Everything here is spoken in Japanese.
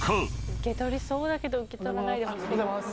受け取りそうだけど受け取らないでほしい。